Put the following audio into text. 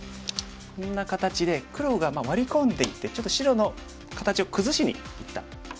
こんな形で黒がワリ込んでいってちょっと白の形を崩しにいったところですかね。